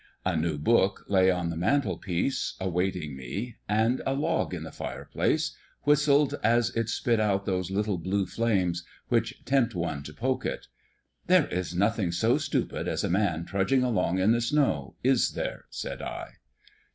A new book lay on the mantel piece awaiting me, and a log in the fireplace whistled as it spit out those little blue flames which tempt one to poke it. "There is nothing so stupid as a man trudging along in the snow. Is there?" said I.